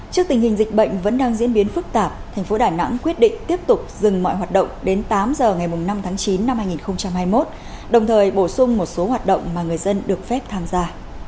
trước tình hình dịch bệnh vẫn đang diễn biến phức tạp thành phố đà nẵng quyết định tiếp tục dừng mọi hoạt động đến tám giờ ngày năm tháng chín năm hai nghìn hai mươi một đồng thời bổ sung một số hoạt động mà người dân được phép tham gia